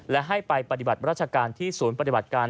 และให้ไปปฏิบัติราชการที่ศูนย์ปฏิบัติการ